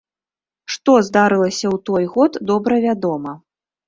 Што здарылася ў той год, добра вядома.